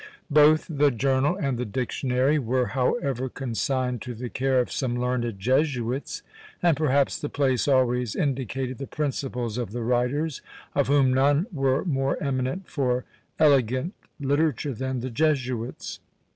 Both the journal and the dictionary were, however, consigned to the care of some learned Jesuits; and perhaps the place always indicated the principles of the writers, of whom none were more eminent for elegant literature than the Jesuits.